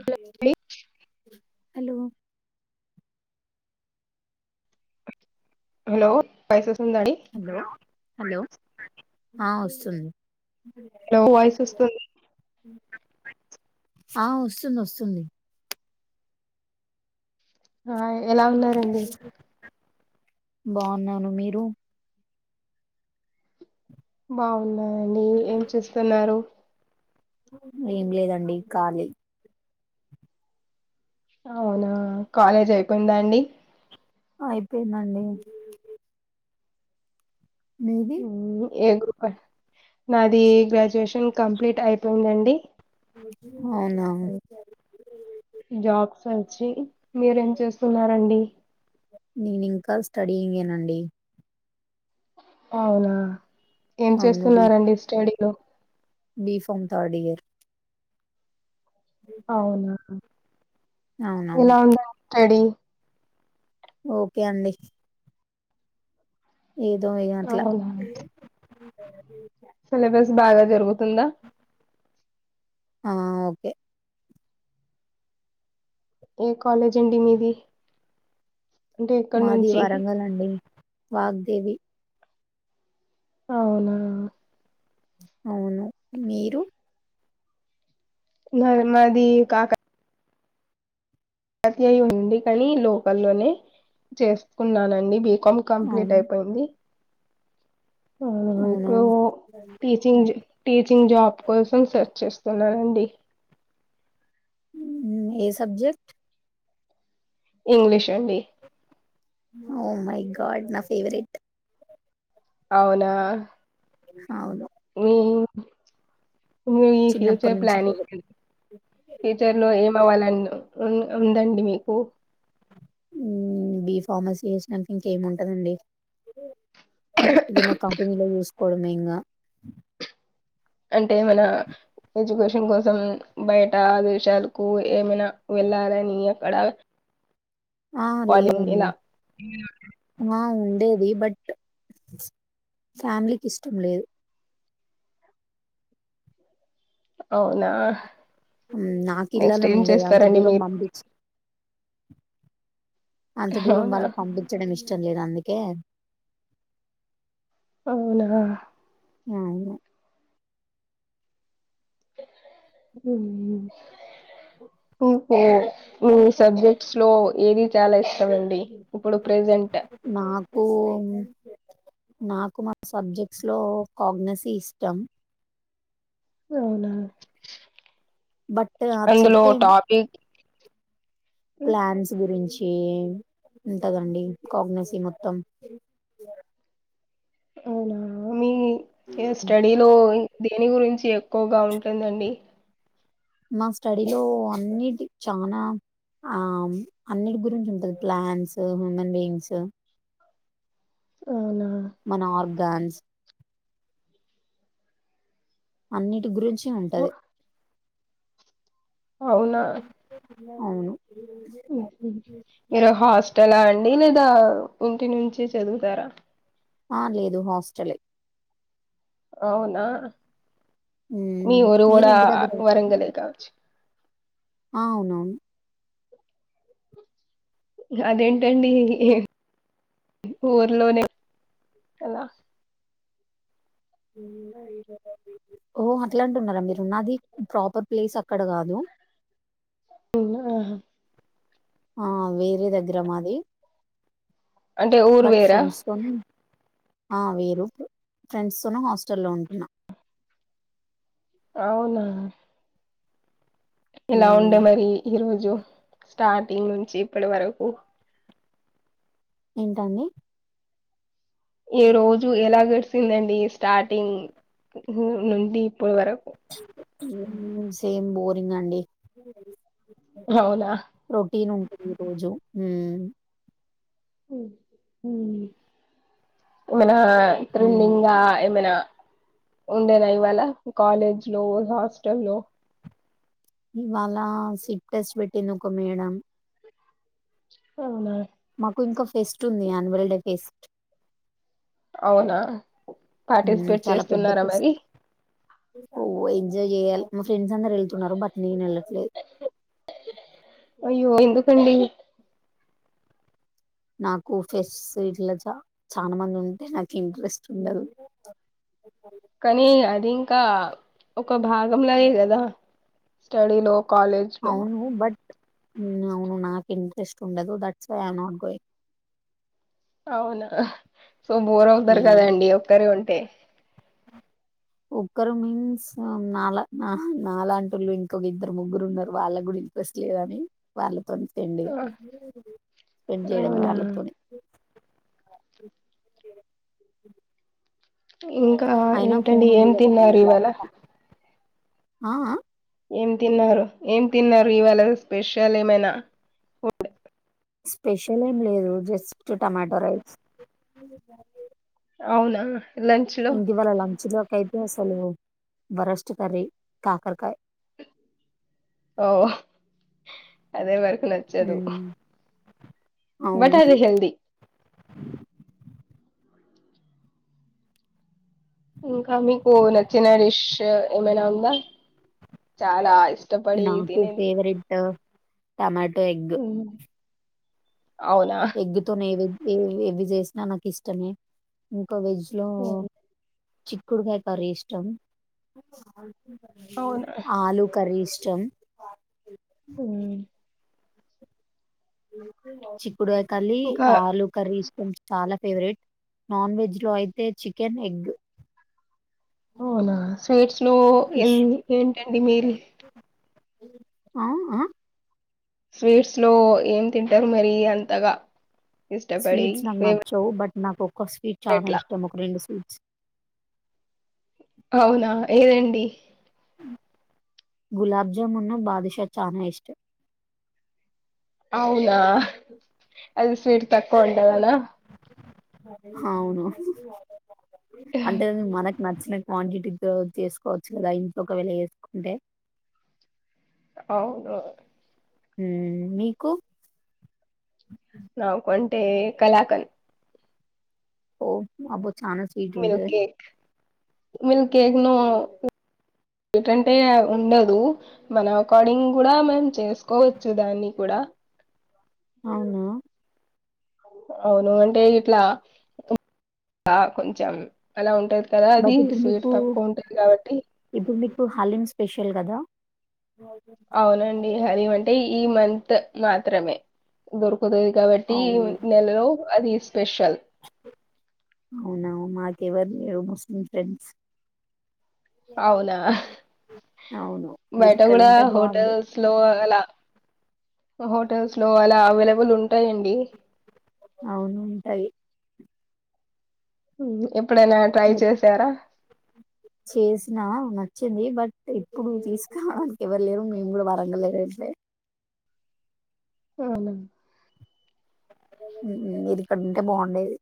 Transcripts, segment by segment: Hello [unintelligible] hello hello voice వస్తుందా అండి hello hello ఆ వస్తుంది [unintelligible] వాయిస్ వస్తుంది ఆ వస్తుంది వస్తుంది ఎలా ఉన్నారండి బాగున్నాను మీరు బాగున్నానండీ ఏం చూస్తున్నారు ఏం లేదండి ఖాళీ అవునా కాలేజ్ అయిపోయిందా అండి అయిపోయిందండి మీది ఏో గ్రూప్ నాది గ్రాడ్యుయేషన్ కంప్లీట్ అయిపోయిందండి అవునా సచ్చి మీరేం చేస్తున్నారండి నేను [unintelligible] అవునా ఏం అవును బి చేస్తున్నారండి స్టడీలు బి ఫమ్ థర్డ్ ఇయర్ అవును అవునవును ఇలా ఉంద స్టడి ఓకే అండి ఏదో ఏ గట్ల అవునా సిలబస్ బాగా జరుగుతుందా ఆ ఓకే ఏ కాలేజ్ అండి మీది అంటే ఎక్కడ మాది నుంచి వరంగల్ండి వాగ్దేవి అవునా అవును మీరు నర్ మాది కాకా తత అయి ఉండి కానీ లోకల్లోనే చేసుకున్నానండి బ కొమ్ కంప్లీట్ అవును అయిపోయింది ఉమ్ అవును టీచింగ్ టీచింగ్ జాబ్ కోసం సెర్చ్ చేస్తున్నారండి ఏ సబ్జెక్ట్ ఇంగ్లిష్ అండి ఓ మై గాడ్ నా ఫేవరెట్ అవునా అవును మీ మీ ఈ చిన్నప్పటి ఫ్యూచర్ నుంచి కూడా ప్లానింగ్ ఫ్యూచర్ లో ఏమ అవ్వాలం ఉందండి మీకు బి ఫార్మసీ చేసినానికి ఇంకేమి ఉంటందండి ఇదిన్న కంపెనీలో చుస్కోడమేంగా అంటే మన ఎడ్యుకేషన్ కోసం బయట దేశాలకు ఏమైనా వెళ్ళాలని అక్కడ ఆ కాలింగ్ లేదండి ఇలా ఆ అదేది బట్ ఫ్యామిలీకి ఇష్టం లేదు అవునా నాకు నెక్స్ట్ ఇలానే ఏం ఉండేది అంత చేస్తారండి మీరు దూరం పంపించ అంత దూరం అవునా వాళ్ళకు పంపించడం ఇష్టం లేదు అందుకే అవునా అవును ఉమ్ ఇ మీ సబ్జెక్ట్స్ లో ఏది చాలా ఇష్టం అండి ఇప్పుడు ప్రెజెంట్ నాకు నాకు మా సబ్జెక్ట్స్ లో కాగ్నసీ ఇష్టం అవునా బట్ అది అందులో చెప్పే టాపిక్ ప్లాన్స్ గురించి ఉంటదండి కాగ్నసి మొత్తం అవునా మీ స్టడీలో దేని గురించి ఎక్కువగా ఉంటుందండి మా స్టడీలో అన్నిటి చనా ఆ అన్నిటి గురించి ఉంటుంది ప్లాంట్స్ హ్యూమన్ బీయింగ్స్ అవునా మన ఆర్గన్స్ అన్నిటి గురించి ఉంటది అవునా అవును మీరు హాస్టలా అండి ఇంటి నుంచి చదువుతారా ఆ లేదు హాస్టలే అవునా మ్మ్ మీ ఊరివాడ మీరు ఇంటి దగ్గరే వరంగలే కావచ్చు ఆ అవునవును అదేంటండి ఊర్లోనే అలా ఉ ఇ ఓ అట్లాంటున్నారా మీరు ఉన్నది ప్రాపర్ ప్లేస్ అక్కడ కాదు ఆహా ఆ వేరే దగ్గర మాది అంటే ఊరు బట్ వేరా ఫ్రెండ్స్ తోని ఆ వేరు ఫ్రెండ్స్ తోన హాస్టల్ లో ఉంటున్నా అవునా ఇలా ఉండే మ్మ్ మరి ఈరోోజు స్టార్టింగ్ నుంచి ఇప్పటి వరకు ఏంటండి ఈ రోజు ఎలా గడిసిందండి స్టార్టింగ్ నుండి ఇప్పడు వరకు సేమ్ బోరింగ్ అండి అవునా ఈ రోజు ఏమనా హ్మ్ త్రిలింగా ఏమనా ఉండేనా ఇవాళ కాలేజ్ లో హాస్టల్ లో ఇవాళ సిప్ టెస్ట్ పెట్టింది మేడం అవునా మాకు ఇంకా ఫెస్ట్ ఉంది యాన్యువల్ డే ఫెస్ట్ అవునా హ్మ్ పార్టిసిపేట్ చేస్తున్నారా మరి ఓ ఎంజా్ చేయాలి ఫ్రెండ్స్ అందరు వెళ్తున్నారు బట్ నేను వెళ్ళట్లేదు అయ్యో ఎందుకడి నాకు ఫెష్ ఇట్లా చ చాలా మంది ఉంటే నాకు ఇంట్రెస్ట్ ఉండదు కానీ అది ఇంకా ఒక భాగంలాయి కదా స్టడీ లో అవును బట్ అవును నాకు ఇంట్రెస్ట్ ఉండదు దట్స్ ఐ అవునా సో బోర్ అవుతారు హ్మ్ కదాండి ఒక్కరే ఉంటే ఒక్కరు మీన్స్ నాలా నాలాంటుళ్ళు ఇంకొక ఇద్దరు ముగ్గురు ఉన్నారు వాళ్ళ గుడి ఇంట్రెస్ట్ లేదని వాళ్ళతోని ఆ, పెండ్గా పెండ్ లేయడమే అవునా వాళ్ళతోని ఇంకా అయినా ఏంటండి ఫోన్ ఏం ఉంది కదండి తిన్నారు ఇవాళ ల్యాప్టాప్ ఆ ఏం తిన్నారు ఏం తిన్నారు ఇవాళ స్పెషల్ ఏమైనా ఫుడ్ స్పెషల్ ఏం లేదు జస్ట్ టమాటో రైస్ అవునా లంచ్ లో ఇంటి వాాల లంచ లోకా సలు బరస్టు కర్రీ కాకరకాయ ఓ అదే మరకు నచ్చదు హ్మ్ బట్ అవును అది హల్ది ఇంకా మీకు నచ్చిన డిష్ ఏమైనా ఉందా చాలా ఇ నాకుూ ఫేవరెట్ టమాటో హ ఎగ్తోనే ఏవి ఏ ఏవి చేసినా నాకు ఇష్టమే ఒక వెజ్ లో ఉమ్, చిక్కుడుకాయ కర్రీ ఇష్టం అవునా ఆలు కర్రీ ఇష్టం ఉమ్, చిక్కుడుగయ కల్లీ ఇంకా ఆలు కర్రీ చాలా ఫేవరెట్ నాన్ వెజ్ లో అయితే చికెన్ ఎగ్ అవునా స్వీట్స్ లో ఫిష్ ఎన్ ఏంటండి మీలి ఆ ఆఁ స్వీట్స్ లో ఏం తింటరు మరి అంతగా ఇష్టపడి స్వీట్స్ నాకు ఏం నచ్చవు బట్ నాకు ఒక్క స్వీట్ చానా ఇష్టం ఒక రెండు స్వీట్ అవునా ఏదండి? గులాబ్ జాముూన్న బాదుషా చానా ఇష్టం అవునా అది స్వీట్ తక్కువ ఉంటదనా! అవును అంటే మనకి నచ్చిన క్వాంటిటీతో చేసుకోవచ్చు కదా ఇంట్ొక వెలు చేేసుకుంటే అవును హ్మ్ఁ మీకు టే కలాకన్ ఓ అబో చాన స్వీట్ మిల్క్ ఉంటది కేక్ మిల్క్ కేక్ నొ టంటే ఉండదు మన అకార్డింగ్ కూడా మనం చేసుకోవచ్చు దాన్ని కూడ ఆ అవునా అవును అంటే ఇట్లా కొంచెం అలా ఉంటది కదా అది బట్ ఇప్పుడు స్వీట్ తక్కువ ఉంటది కాబట్టి పుడు హలీం స్పెషల్ కదా! అవునండి హలీం అంటే ఈ మంత్ మాత్రమే దొరుకు తది కాబట్టి అవును నెలలో అది స్పెషల్. అవునా మాకెవరు లేరు ముస్లిం ఫ్రెండ్స్. అవునా అవును మీరు బయట ఇక్కడ కూడా ఉంటే బాగుండు హోటల్స్ లో అలా హోటల్స్ లో అలా అవైలబుల్ ఉం అవును ఉంటయి ఎప్పుడైనా ట్రై చేశారా? చేసినా నచ్చింది బట్ ఇప్పుడు తీసుకోవడానికి ఎవరు లేరు, మేము కూడా వరంగల్లో లేం అ అవునా మీరు ఇక్కడుంటే బాగుండేది.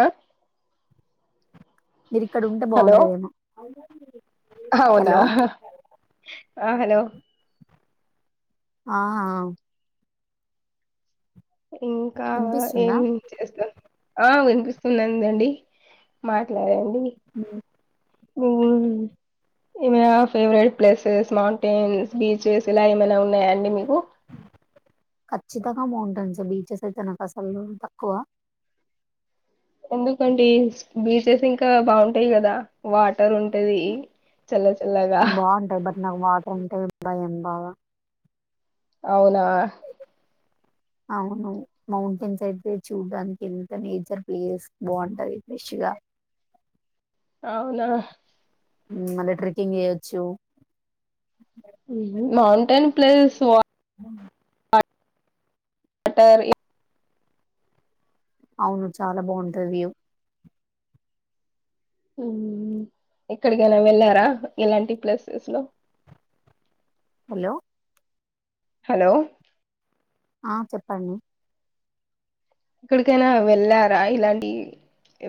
ఆ మీరు ఇక్కడ ఉంటే హలో! బాగుండెదేమో. అవునా ఆ హలో ఆ ఆ ఇంకా ఏం వినిపిస్తుందా చేస్తు ఆ వినిపిస్తున్నందండి మాట్లాడం మ్ మ్మ్ ఏమైనా ఫేవరెట్ ప్లేసెస్ మౌంటైన్స్ బీచెస్ ఇలా ఏమైనా ఉన్నాయా అండి మీకు? ఖచ్చితంగా మౌంటైన్స్ బీచెస్ అయితే నాకు అసలు తక్కువ. ఎందుకండీ బీచెస్ ఇంకా బాగుంటాయి కదా, వాటర్ ఉంటది. చల్ల చల్లగా బావుంటాయి. బట్ నాకు వాటర్ అంటే భయం బాగా. అవునా అవును మౌంటైన్స్ అయితే చూడడానికి ఎంత నేచర్ ప్లేస్ బాగుంటది ఫ్రెష్ గా. అవునా మళ్ళీ ట్రెక్కింగ్ చేయ్యొచ్చు మౌంటైన్ ప్లేస్ వచ్ బటర్ ఇ అవును చాలా బాగుంటది ఎక్కడికైనా వెళ్ళారా ఎలాంటి ప్లేసెస్ లో హలో హలో ఆ చెప్పండి ఇక్కడికైనా వెళ్ళారా ఇలాంటి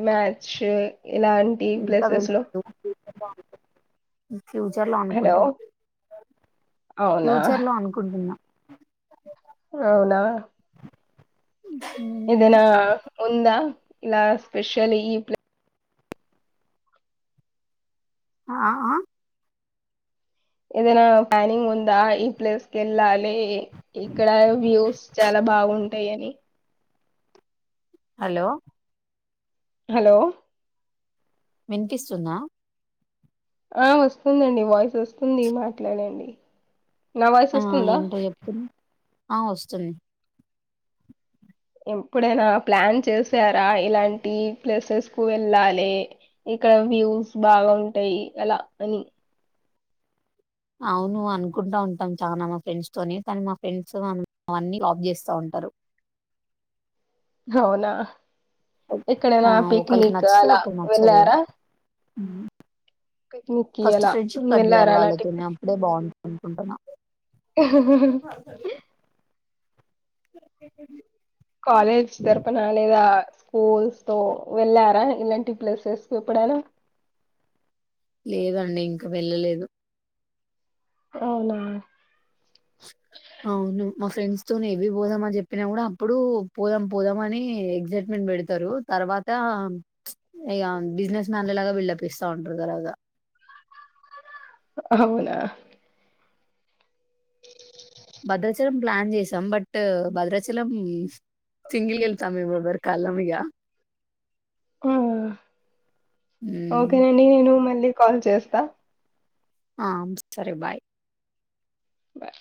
మ్యాచు ఎలాంటి ఇంకా ప్లేసెస్ లో వెళ్ళలేదు. ఫ్యూచర్లో హలో అనుకుంటాం అవునా ఫ్యూచర్ లో అనుకుంటున్నా అవునా హ్మ్. ఇదనా ఉందా ఇలా స్పెషలీ ఈ ప్లే ఆ ఏదనా పనింగ్ ఉందా ఈ ప్లేస్ క ఎల్ అే ఇక్కడ వ్యూస్ చాలా బాగుంటాయి అని హలో హలో వినిపిస్తుందా ఆ వస్తుందండి వాయిస్ వస్తుంది మాట్లాడండి నా వయసు ఆ! వస్తుందా ఏంటో చెప్తున్నా. ఆ వస్తుంది ఎప్పుడైనా ప్లాన్ చేసారా ఇలాంటి ప్లేసెస్ కు వెళ్ళాలి ఇక్కడ వ్యూస్ బాగా ఉంటాయి అలా అని అవును అనుకుంటా ఉంటాం చాలనా మా ఫ్రెండ్స్ తోనే కానీ మా ఫ్రెండ్స్ అవన్నీ ఆప్ చేస్తా ఉంటాం సరు అవునా ఆ ఎక్కడైనా ఒకరికి పిక్నిక్ నచ్చితే అలా ఒకరికి నచ్చదు వెళ్ళారా పిక్నిక్ కి ఫస్ట్ అలా ఫ్రెండ్షిప్ కట్యాలి వెళ్ళారా అలాంటి వాళ్ళతోనే అప్పుడే బాగుంటంది అనుకుంటున్నా కాలజ్ దర్పణాలిద స్కూల్స్ వెళ్ళారా ఇలాంటి ప్లేసెస్ కు ఎప్పుడైనా లేదండి ఇంకా వెళ్ళలేదు అవునా అవును మా ఫ్రెండ్స్ వ ఎవి పోదాం అని చెప్పినా కూడా అప్పుడు పోదాం పోదాం అని ఎక్సైట్మెంట్ పెడతారు తర్వాత ఇక బిజినెస్ మ్యాన్లలాగా బిల్డ్ప్ ఇస్తా ఉంటారు కర్వాదా అవునా బద్రచర ప్లాన్ చేసాం బట్ భద్రాచలం సిింగిల్కి వెళ్తాము మేము ఎవరి కళ్ళం ఇక ఓకేనండి నేను మళ్ళీ కాల్ చేస్తా ఆ సరే బాయ్ బయ